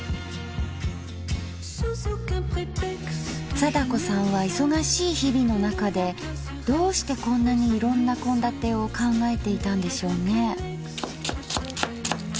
貞子さんは忙しい日々の中でどうしてこんなにいろんな献立を考えていたんでしょうね。